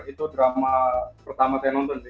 itu drama pertama saya nonton sih